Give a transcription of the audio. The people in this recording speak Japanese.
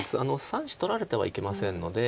３子取られてはいけませんので。